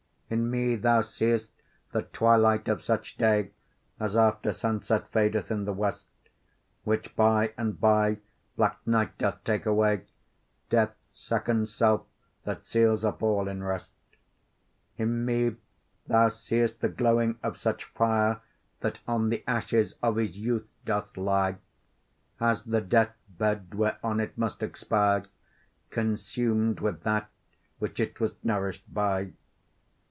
In me thou see'st the twilight of such day As after sunset fadeth in the west; Which by and by black night doth take away, Death's second self, that seals up all in rest. In me thou see'st the glowing of such fire, That on the ashes of his youth doth lie, As the death bed, whereon it must expire, Consum'd with that which it was nourish'd by.